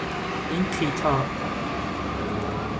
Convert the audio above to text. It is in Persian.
این کتاب